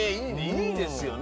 いいですよね。